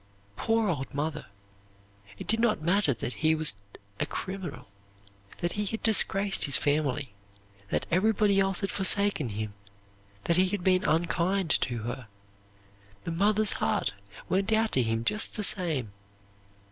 Poor old mother! It did not matter that he was a criminal, that he had disgraced his family, that everybody else had forsaken him, that he had been unkind to her the mother's heart went out to him just the same.